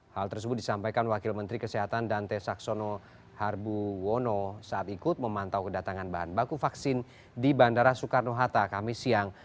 hal tersebut disampaikan wakil menteri kesehatan dante saxono harbuwono saat ikut memantau kedatangan bahan baku vaksin di bandara soekarno hatta kami siang